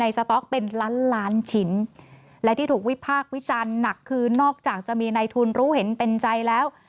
สต๊อกเป็นล้านล้านชิ้นและที่ถูกวิพากษ์วิจารณ์หนักคือนอกจากจะมีในทุนรู้เห็นเป็นใจแล้ว